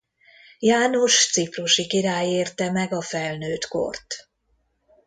János ciprusi király érte meg a felnőtt kort.